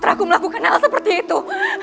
apakah ini seperti itu